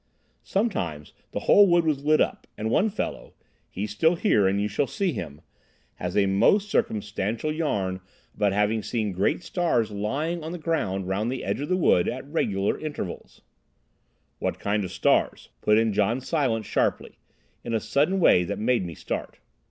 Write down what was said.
Sometimes the whole wood was lit up, and one fellow—he's still here and you shall see him—has a most circumstantial yarn about having seen great stars lying on the ground round the edge of the wood at regular intervals—" "What kind of stars?" put in John Silence sharply, in a sudden way that made me start.